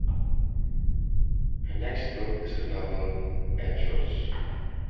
Her next book is the novel "Hechos".